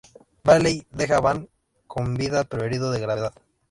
Valley deja a Bane con vida, pero herido de gravedad.